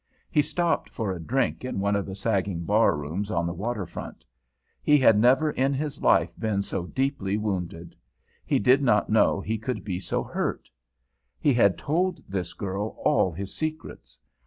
He stopped for a drink in one of the sagging bar rooms on the water front. He had never in his life been so deeply wounded; he did not know he could be so hurt. He had told this girl all his secrets.